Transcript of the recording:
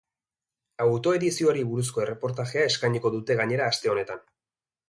Autoedizioari buruzko erreportajea eskainiko dute gainera aste honetan.